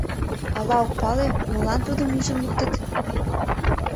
Ала ок пале, молан тудым ӱжын луктыт?